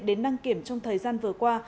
đến đăng kiểm trong thời gian vừa qua